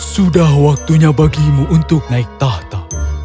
sudah waktunya bagimu untuk naik tahta